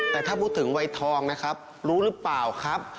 แต่ถ้าพูดถึงวัยทองนะครับรู้หรือเปล่าครับ